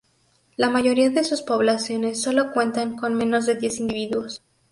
La mayoría de sus poblaciones sólo cuentan con menos de diez individuos.